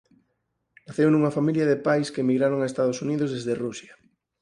Naceu nunha familia de pais que emigraron a Estados Unidos desde Rusia.